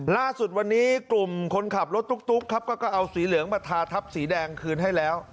ล่าสุดวันนี้กลุ่มคนขับรถตุ๊กครับก็เอาสีเหลืองมาทาทับสีแดงคืนให้แล้ว